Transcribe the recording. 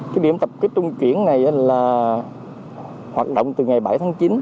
cái điểm tập kết trung chuyển này là hoạt động từ ngày bảy tháng chín